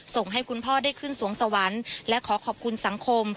ส่งให้คุณพ่อได้ขึ้นสวงสวรรค์และขอขอบคุณสังคม